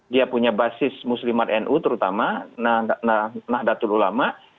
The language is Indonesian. dia punya basis muslimat nu terutama nahdlatul ulama